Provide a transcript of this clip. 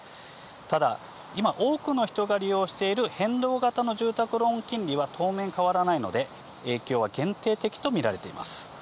ただ、今、多くの人が利用している変動型の住宅ローン金利は当面変わらないので、影響は限定的と見られています。